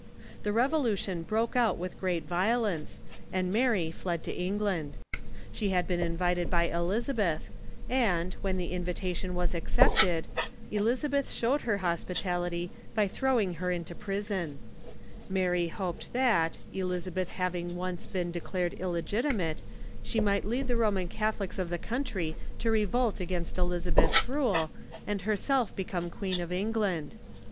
The revolution broke out with great violence, and Mary fled to England. She had been invited by Elizabeth, and, when the invitation was accepted, Elizabeth showed her hospitality by throwing her into prison, Mary hoped that, Elizabeth having once been THE SCOTCH REFORMATION 257 declared illegitimate, she miglit lead the Roman Catholics of the country to revolt against Elizabeth's rule, and herself be come queen of England.